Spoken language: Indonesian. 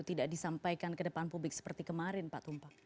tidak disampaikan ke depan publik seperti kemarin pak tumpang